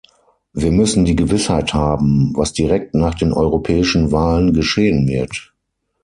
Wir müssen die Gewissheit haben, was direkt nach den europäischen Wahlen geschehen wird.